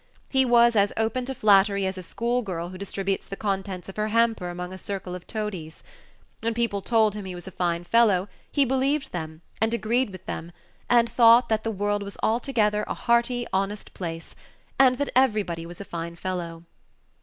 He was as open to flattery as a school girl who distributes the contents of her hamper among a circle of toadies. When people told him he was a fine fellow, he believed them, and agreed with them, and thought that the world was altogether a hearty, honest place, and that everybody was a fine fellow.